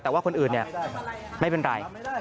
แต่ว่าคนอื่นเนี่ยไม่เป็นไร